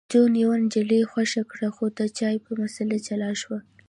جون یوه نجلۍ خوښه کړه خو د چای په مسله جلا شول